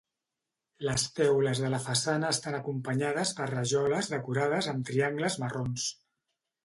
Les teules de la façana estan acompanyades per rajoles decorades amb triangles marrons.